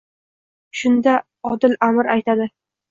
Shunda odil amir aytadi.